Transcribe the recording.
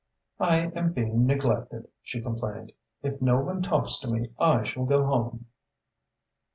"I am being neglected," she complained. "If no one talks to me, I shall go home."